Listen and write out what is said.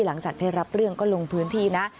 หลังจากได้รับเรื่องก็ลงพื้นที่นะ